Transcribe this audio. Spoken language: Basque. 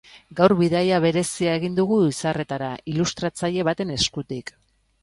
Gaur bidaia berezia egin dugu izarretara, ilustratzaile baten eskutik.